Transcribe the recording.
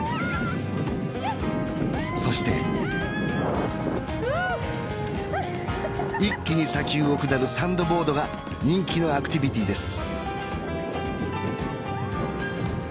そして一気に砂丘をくだるサンドボードが人気のアクティビティです